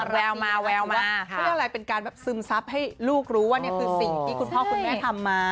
แววมาแววมาเขาเรียกอะไรเป็นการแบบซึมซับให้ลูกรู้ว่านี่คือสิ่งที่คุณพ่อคุณแม่ทำมา